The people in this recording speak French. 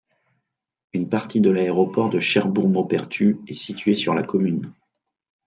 Une partie de l'aéroport de Cherbourg - Maupertus est située sur la commune.